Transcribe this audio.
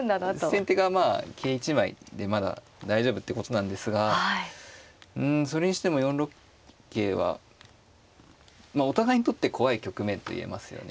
まあ先手がまあ桂１枚でまだ大丈夫ってことなんですがうんそれにしても４六桂はお互いにとって怖い局面と言えますよね。